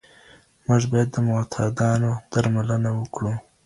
موږ بايد د معتادانو درملنه وکړو.